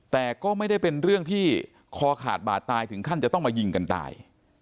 แต่ก็ไม่ได้เป็นเรื่องที่คอขาดบาดตายถึงขั้นจะต้องมายิงกันตาย